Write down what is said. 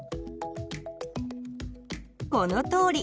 このとおり！